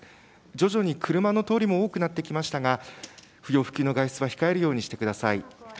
徐々に車の通りも多くなってきましたが、不要不急の外出は控えるようにしてください。